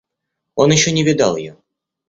Он еще не видал ее.